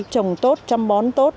trồng tốt trăm bón tốt